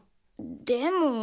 でも。